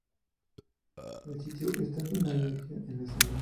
El sitio está en su mayoría en la sombra.